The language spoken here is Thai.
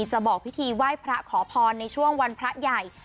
บอกพิธีไหว้พระขอพรในช่วงวันพระใหญ่